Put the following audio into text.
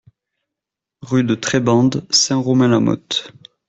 Rue de Trebande, Saint-Romain-la-Motte